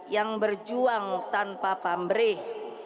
yang berjuang tanpa pambrih